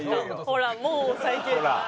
ほらもう最低だなんか。